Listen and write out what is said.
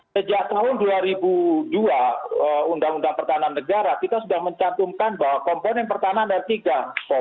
sejak tahun dua ribu dua undang undang pertahanan negara kita sudah mencantumkan bahwa komponen pertahanan ada tiga